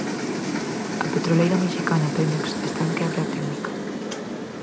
A petroleira mexicana Pemex está en quebra técnica.